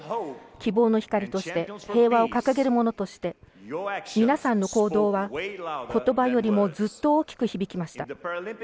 希望の光として平和を掲げる者として皆さんの行動はことばよりもずっと大きく響きました。